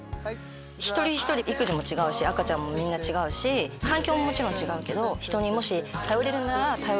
一人一人育児も違うし赤ちゃんもみんな違うし環境ももちろん違うけど人にもし頼れるなら頼るのが。